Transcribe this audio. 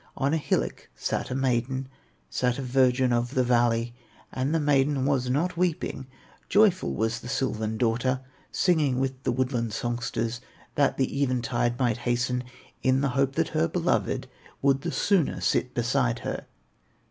On a hillock sat a maiden, Sat a virgin of the valley; And the maiden was not weeping, Joyful was the sylvan daughter, Singing with the woodland songsters, That the eventide might hasten, In the hope that her beloved Would the sooner sit beside her.